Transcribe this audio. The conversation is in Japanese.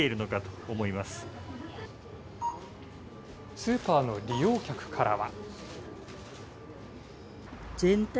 スーパーの利用客からは。